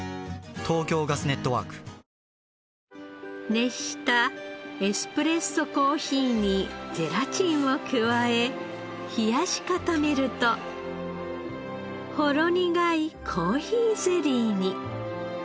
熱したエスプレッソコーヒーにゼラチンを加え冷やし固めるとほろ苦いコーヒーゼリーに。